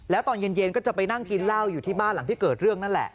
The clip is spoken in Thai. แล้วตอนเย็นก็จะไปนั่งกินเหล้าอยู่ที่บ้านหลังที่เกิดเรื่องนั่นแหละ